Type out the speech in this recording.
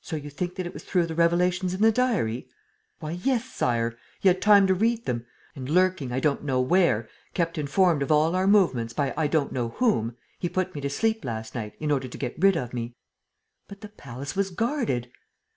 "So you think that it was through the revelations in the diary ...?" "Why, yes, Sire! He had time to read them. And, lurking I don't know where, kept informed of all our movements by I don't know whom, he put me to sleep last night, in order to get rid of me." "But the palace was guarded."